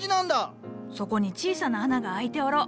そこに小さな穴が開いておろう。